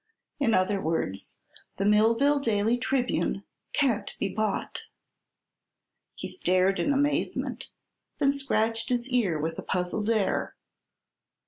In other words, the Millville Daily Tribune can't be bought." He stared in amazement; then scratched his ear with a puzzled air.